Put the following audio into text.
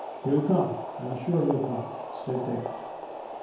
"He'll come. I'm sure he'll come," said Dick.